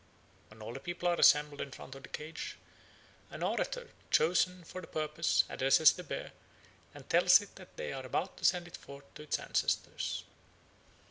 When all the people are assembled in front of the cage, an orator chosen for the purpose addresses the bear and tells it that they are about to send it forth to its ancestors.